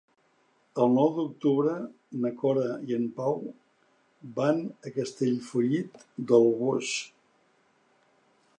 El nou d'octubre na Cora i en Pau van a Castellfollit del Boix.